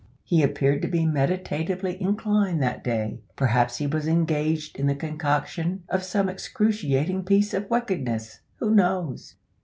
He appeared to be meditatively inclined that day. Perhaps he was engaged in the concoction of some excruciating piece of wickedness who knows?